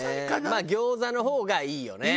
まあ餃子の方がいいよね。